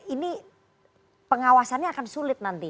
ini pengawasannya akan sulit